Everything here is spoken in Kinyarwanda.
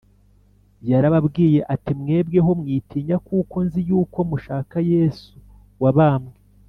yarababwiye ati: “mwebweho mwitinya, kuko nzi yuko mushaka yesu wabambwe